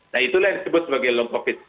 nah itulah yang disebut sebagai long covid